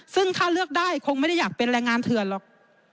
ซึ่งถ้าเลือกได้คงไม่ได้อยากเป็นแรงงานเถื่อนหรอก